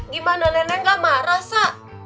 gimana nenek gak marah sa